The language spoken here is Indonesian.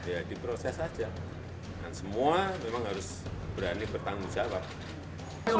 ya diproses saja dan semua memang harus berani bertanggung jawab